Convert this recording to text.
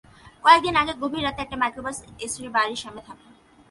কয়েক দিন আগে গভীর রাতে একটি মাইক্রোবাস এসে বাড়ির সামনে থামে।